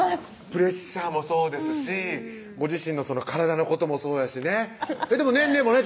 プレッシャーもそうですしご自身の体のこともそうやしねでも年齢もね